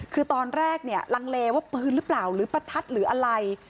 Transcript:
คือตอนแรกเนี่ยลังเลว่าปืนหรือเปล่าหรือประทัดหรืออะไร